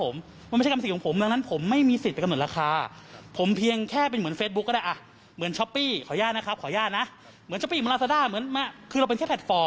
มันไม่แฟร์กับคุณหรือเปล่า